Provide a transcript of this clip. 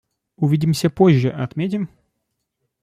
Увидимся позже, отметим?